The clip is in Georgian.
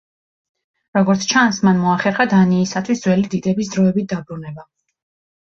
როგორც ჩანს, მან მოახერხა დანიისათვის ძველი დიდების დროებით დაბრუნება.